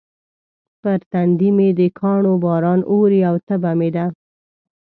پر تندي مې د کاڼو باران اوري او تبه مې ده.